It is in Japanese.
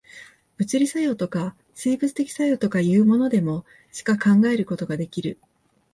物理作用とか、生物的作用とかいうものでも、しか考えることができる。